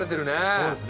そうですねえ。